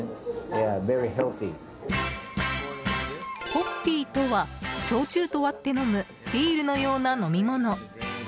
ホッピーとは焼酎と割って飲むビールのような飲み物。